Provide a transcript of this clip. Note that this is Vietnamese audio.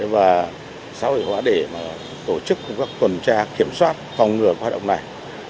và xã hội hóa để tổ chức các tuần tra kiểm soát phòng ngừa hoạt động này